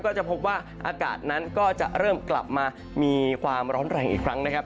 ก็จะพบว่าอากาศนั้นก็จะเริ่มกลับมามีความร้อนแรงอีกครั้งนะครับ